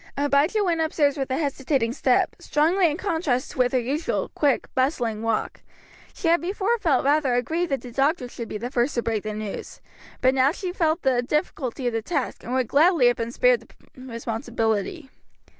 Abijah went upstairs with a hesitating step, strongly in contrast with her usual quick bustling walk. She had before felt rather aggrieved that the doctor should be the first to break the news; but she now felt the difficulty of the task, and would gladly have been spared the responsibility.